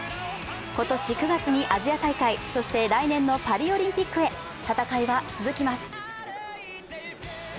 今年９月にアジア大会、そして来年のパリオリンピックへ戦いは続きます。